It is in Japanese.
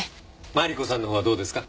マリコさんのほうはどうですか？